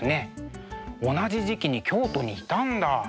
同じ時期に京都にいたんだ。